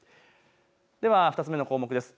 ２つ目の項目です。